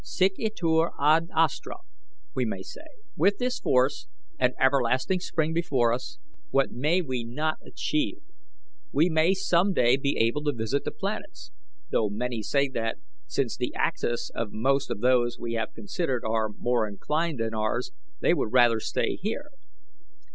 Sic itur ad astra, we may say. With this force and everlasting spring before us, what may we not achieve? We may some day be able to visit the planets, though many may say that, since the axes of most of those we have considered are more inclined than ours, they would rather stay here.